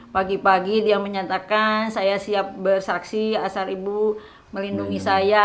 pagi pagi dia menyatakan saya siap bersaksi asal ibu melindungi saya